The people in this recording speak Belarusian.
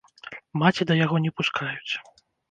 Маці да яго не пускаюць.